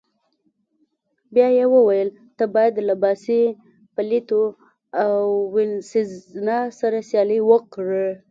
بیا يې وویل: ته باید له باسي، فلیپو او وینسزنا سره سیالي وکړې.